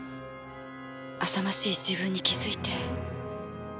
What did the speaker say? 浅ましい自分に気づいて。